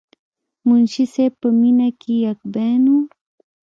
منشي صېب پۀ مينه کښې يک بين وو،